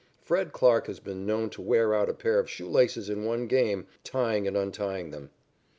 Fred Clarke has been known to wear out a pair of shoe laces in one game tying and untying them.